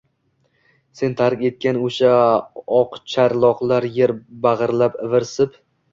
Sen tark etgan o‘sha oqcharloqlar yer bag‘irlab ivirsib